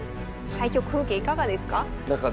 対局風景いかがですか？